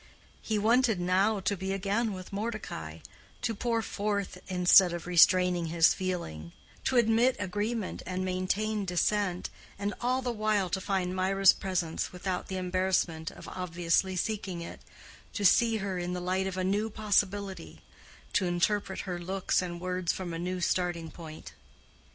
He wanted now to be again with Mordecai, to pour forth instead of restraining his feeling, to admit agreement and maintain dissent, and all the while to find Mirah's presence without the embarrassment of obviously seeking it, to see her in the light of a new possibility, to interpret her looks and words from a new starting point.